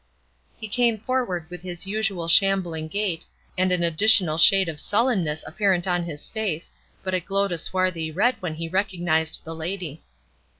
He came forward with his usual shambling gait, and an additional shade of sullenness apparent on his face, but it glowed a swarthy red when he recognized the lady.